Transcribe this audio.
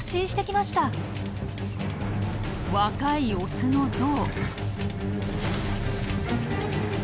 若いオスのゾウ。